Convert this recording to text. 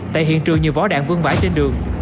tại hiện trường nhiều vỏ đạn vương vãi trên đường